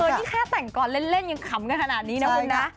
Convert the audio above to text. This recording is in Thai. เธอนี่แค่แต่งกรเล่นยังขำขนาดนี้นะครับ